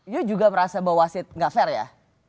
yo juga merasa bahwa wasit gak fair ya